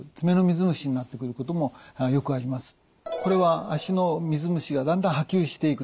これは足の水虫がだんだん波及していくと。